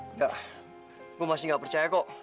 enggak gue masih gak percaya kok